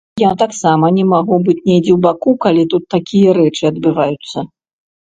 Я таксама не магу быць недзе ў баку, калі тут такія рэчы адбываюцца.